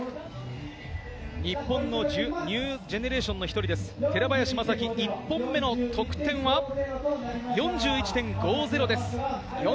日本のニュージェネレーションの一人です、寺林昌輝、１本目の得点は４１．５０です。